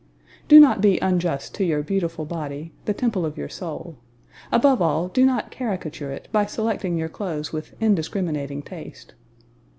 Do not be unjust to your beautiful body, the temple of your soul; above all, do not caricature it by selecting your clothes with indiscriminating taste.